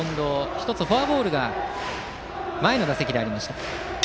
１つフォアボールが前の打席でありました。